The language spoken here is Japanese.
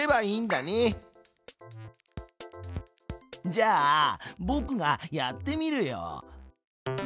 じゃあぼくがやってみるよ。